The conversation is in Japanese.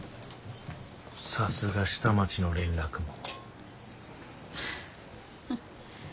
さすが下町の連絡網。